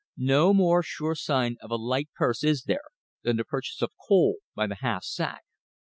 No more sure sign of a light purse is there than the purchase of coal by the half sack.